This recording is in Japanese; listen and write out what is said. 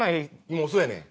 もうそうやねん。